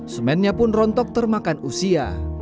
semennya pun rontok termakan usia